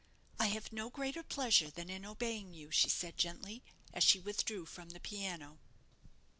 "I have no greater pleasure than in obeying you," she said, gently, as she withdrew from the piano.